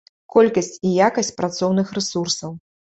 Колькасць і якасць працоўных рэсурсаў.